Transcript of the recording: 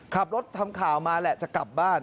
ขับรถทำข่าวมาแหละจะกลับบ้าน